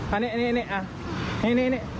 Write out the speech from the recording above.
อันนี้นี่